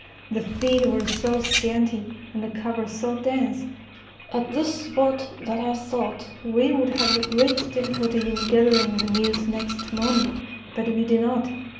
The feed was so scanty, and the cover so dense, at this spot that I thought we would have great difficulty in gathering the mules next morning. But we did not.